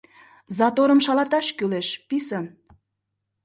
Заторым шалаташ кӱлеш, писын.